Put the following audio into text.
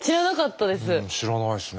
知らないですね。